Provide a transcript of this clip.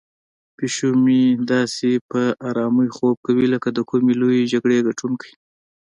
پیشو مې داسې په آرامۍ خوب کوي لکه د کومې لویې جګړې ګټونکی.